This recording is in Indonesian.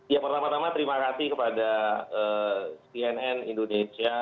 ya pertama tama terima kasih kepada tnn indonesia